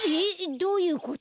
どういうこと？